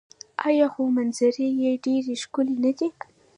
آیا خو منظرې یې ډیرې ښکلې نه دي؟